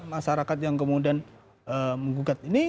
masyarakat yang kemudian menggugat